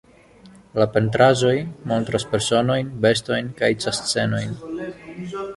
La pentraĵoj montras personojn, bestojn kaj ĉas-scenojn.